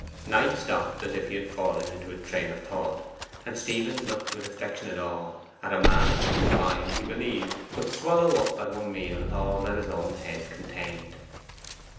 Knight stopped as if he had fallen into a train of thought, and Stephen looked with affectionate awe at a master whose mind, he believed, could swallow up at one meal all that his own head contained.